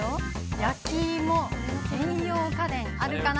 焼き芋専用家電あるかな？